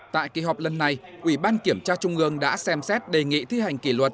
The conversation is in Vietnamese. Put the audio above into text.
tại kỳ họp lần này ủy ban kiểm tra trung ương đã xem xét đề nghị thi hành kỷ luật